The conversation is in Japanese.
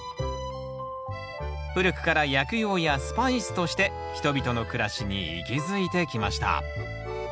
古くから薬用やスパイスとして人々の暮らしに息づいてきました。